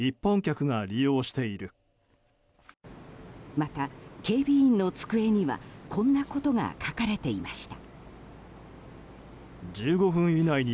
また、警備員の机にはこんなことが書かれていました。